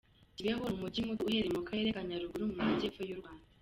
Kibeho ni umujyi muto uherereye mu karere ka Nyaruguru mu majyepfo y’u Rwanda.